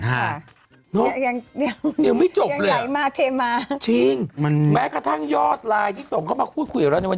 ยังไม่จบเลยหรอจริงแม้กระทั่งยอดไลน์ที่ส่งเข้ามาพูดแล้ว